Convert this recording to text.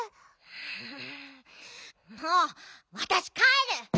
んもうわたしかえる！